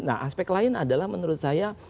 nah aspek lain adalah menurut saya